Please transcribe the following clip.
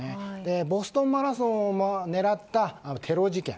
ボストンマラソンを狙ったテロ事件。